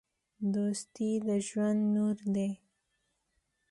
دوستي د ژوند نور دی.